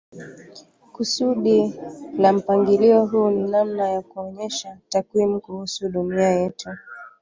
Kusudi la mpangilio huu ni namna ya kuonyesha takwimu kuhusu dunia yetu.